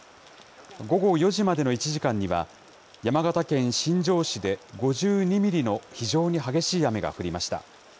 午後４時までの１時間には、山形県新庄市で５２ミリの非常に激しい雨が降りました。